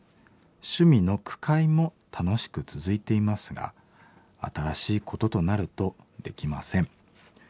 趣味の句会も楽しく続いていますが新しいこととなるとできません。